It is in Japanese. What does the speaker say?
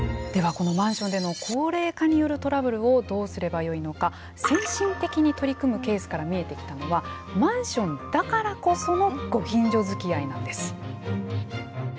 このマンションでの高齢化によるトラブルをどうすればよいのか先進的に取り組むケースから見えてきたのはマンション“だからこそ”のご近所づきあいなんです。